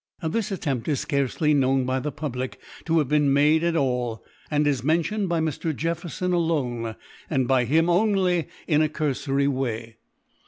This attempt is scarcely known by the public to have been made at all, and is mentioned by Mr. Jefferson alone, and by him only in a cursory way.